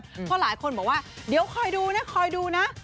เพราะหลายคนบอกว่าเดี๋ยวคอยดูนะคอยดูนะ